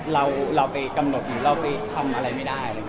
เราไปกำหนดหรือเราไปทำอะไรไม่ได้